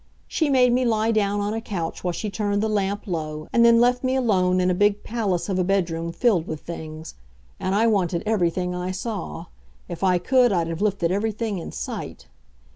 She made me lie down on a couch while she turned the lamp low, and then left me alone in a big palace of a bedroom filled with things. And I wanted everything I saw. If I could, I'd have lifted everything in sight.